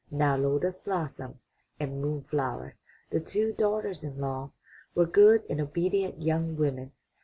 Now Lotus blossom and Moon flower, the two daughters in law, were good and obedient young women.